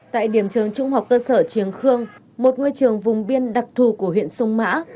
tại điểm trường trung học cơ sở trường khương một ngôi trường vùng biên đặc thù của huyện sông mã